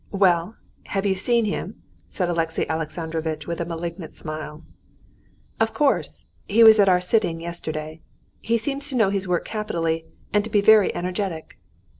"Well, have you seen him?" said Alexey Alexandrovitch with a malignant smile. "Of course; he was at our sitting yesterday. He seems to know his work capitally, and to be very energetic."